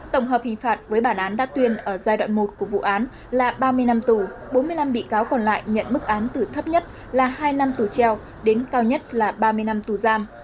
tổng hợp hình phạt với bản án đã tuyên ở giai đoạn một của vụ án là ba mươi năm tù bốn mươi năm bị cáo còn lại nhận bức án từ thấp nhất là hai năm tù treo đến cao nhất là ba mươi năm tù giam